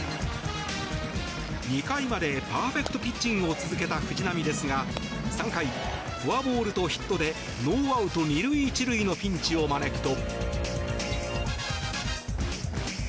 ２回までパーフェクトピッチングを続けた藤浪ですが３回、フォアボールとヒットでノーアウト２塁１塁のピンチを招くと。